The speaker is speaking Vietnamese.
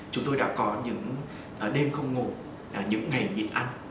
chúng tôi đã có những đêm không ngủ những ngày nghỉ ăn